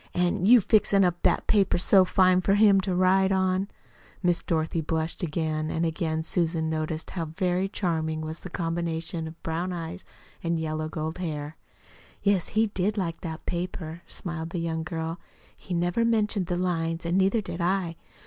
"An' you fixin' up that paper so fine for him to write on!" Miss Dorothy blushed again and again Susan noticed how very charming was the combination of brown eyes and yellow gold hair. "Yes, he did like that paper," smiled the young girl. "He never mentioned the lines, and neither did I.